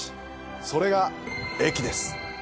それが駅です。